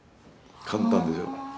簡単でしょ？